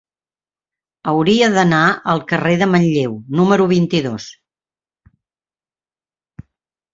Hauria d'anar al carrer de Manlleu número vint-i-dos.